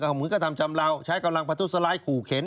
ก็เหมือนกับธรรมชำราวใช้กำลังพัทธุสลายขู่เข็น